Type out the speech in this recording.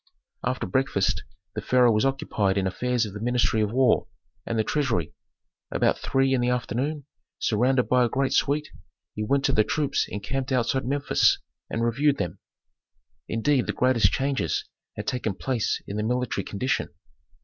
After breakfast the pharaoh was occupied in affairs of the ministry of war, and the treasury; about three in the afternoon, surrounded by a great suite, he went to the troops encamped outside Memphis, and reviewed them. Indeed, the greatest changes had taken place in the military condition.